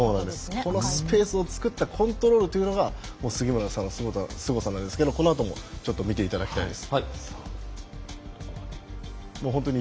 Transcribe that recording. このスペースをつくったコントロールが杉村選手の凄さですがこのあともちょっと見ていただきたいです。